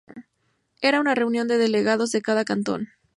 Era una reunión de delegados de cada cantón.